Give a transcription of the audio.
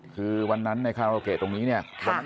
คือวันนั้นในคาราโอเกะตรงนี้เนี่ย